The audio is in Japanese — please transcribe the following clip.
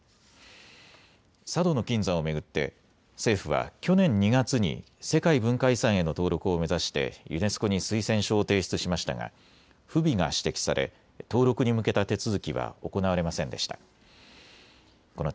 佐渡島の金山を巡って政府は去年２月に世界文化遺産への登録を目指してユネスコに推薦書を提出しましたが不備が指摘され登録に向けた手続きは行われませんでした。